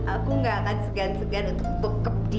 aku gak akan segan segan untuk tokep dia pakai pantai